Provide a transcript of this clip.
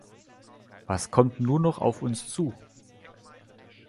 Was kommt nun noch auf uns zu?